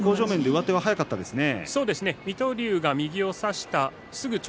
上手は速かったですか？